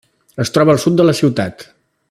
Es troba al sud de la ciutat.